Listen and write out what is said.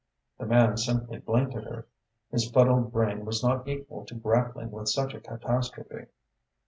The man simply blinked at her. His fuddled brain was not equal to grappling with such a catastrophe.